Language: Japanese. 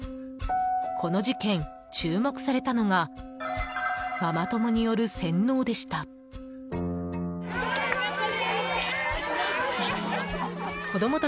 この事件、注目されたのがママ友による洗脳でした。